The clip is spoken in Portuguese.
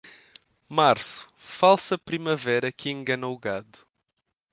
Março, falsa primavera que engana o gado.